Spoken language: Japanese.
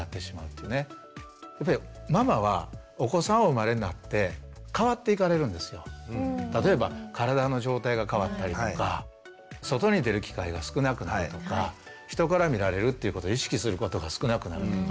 ママはお子さんお生まれになって変わっていかれるんですよ。例えば体の状態が変わったりとか外に出る機会が少なくなるとか人から見られるっていうことを意識することが少なくなるとか。